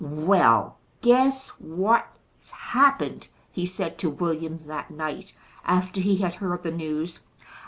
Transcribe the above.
"Well, guess what's happened," he said to William that night, after he had heard the news.